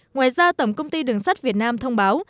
ngoài ra tổng công ty đường sắt việt nam thông báo